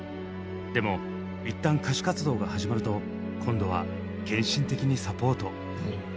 でもいったん歌手活動が始まると今度は献身的にサポート。